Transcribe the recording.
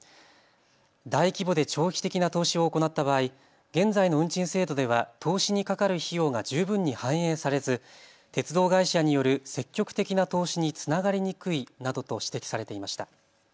大規模で長期的な投資を行った場合、現在の運賃制度では投資にかかる費用が十分に反映されず鉄道会社による積極的な投資につながりにくいなどと指摘されていました。